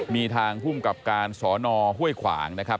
มีทางภูมิกับการสอนอห้วยขวางนะครับ